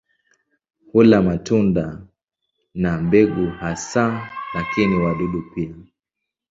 Hula matunda na mbegu hasa lakini wadudu pia.